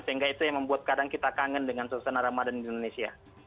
sehingga itu yang membuat kadang kita kangen dengan suasana ramadan di indonesia